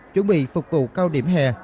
chuẩn bị phục vụ cao điểm hè